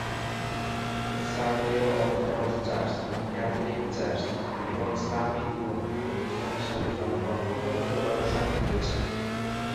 সার্বীয় orthodox church, Catholic church এবং ইসলামী ধর্মীয় প্রতিষ্ঠানের সাথে জনগণ ওতপ্রোতভাবে সম্পৃক্ত ছিল।